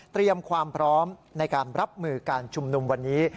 เตรียมความพร้อมในการรับมือการชุมนุมวันนี้